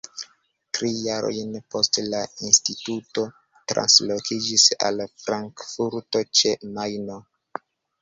Tri jarojn poste la instituto translokiĝis al Frankfurto ĉe Majno.